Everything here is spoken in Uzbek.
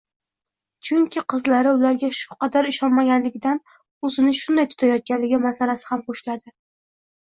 chunki qizlari ularga shu qadar ishonmaganligidan o‘zini shunday tutayotganligi masalasi ham qo‘shiladi.